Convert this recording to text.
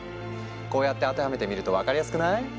こうやって当てはめてみると分かりやすくない？